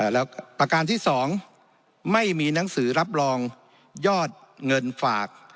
แล้วประการที่๒ไม่มีหนังสือรับรองยอดเงินฝาก